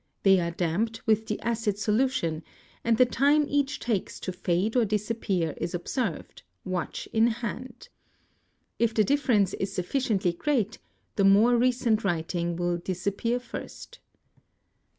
They are damped with the acid solution, and the time each takes to fade or disappear is observed, watch in hand. If the difference © is sufficiently great, the more recent writing will disappear first.